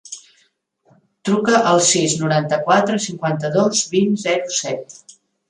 Truca al sis, noranta-quatre, cinquanta-dos, vint, zero, set.